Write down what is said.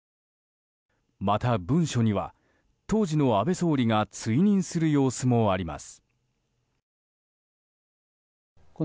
また、文書には当時の安倍総理が追認する様子もあります。